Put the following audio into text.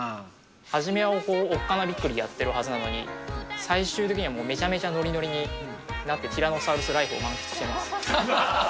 初めはおっかなびっくりやってるはずなのに、最終的にはめちゃめちゃのりのりになって、ティラノサウルスライフを満喫しています。